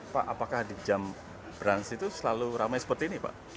pak apakah di jam brunch itu selalu ramai seperti ini pak